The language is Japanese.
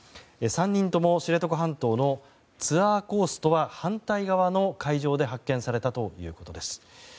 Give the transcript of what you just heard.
３人とも知床半島のツアーコースとは反対側の海上で発見されたということです。